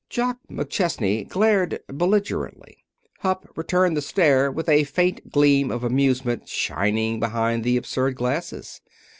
Jock McChesney glared belligerently. Hupp returned the stare with a faint gleam of amusement shining behind the absurd glasses.